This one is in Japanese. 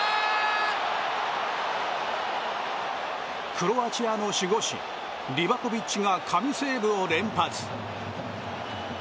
クロアチアの守護神リバコビッチが神セーブを連発。